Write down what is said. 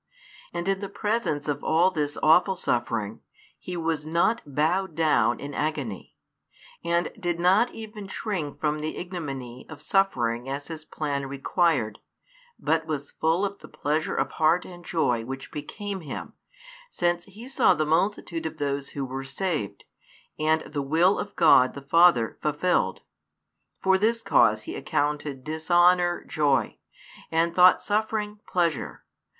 And in the presence of all this awful suffering, He was not bowed down in agony, and did not even shrink from the ignominy of suffering as His plan required, but was full of the pleasure of heart and joy which became Him, since He saw the multitude of those who were saved, and the Will of God the Father fulfilled. For this cause He accounted dishonour joy, and thought suffering pleasure.